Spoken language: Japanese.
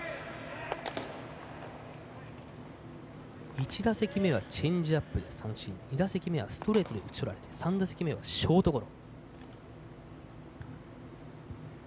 １打席目はチェンジアップで三振２打席目はストレートで打ち取られ３打席目はショートゴロ。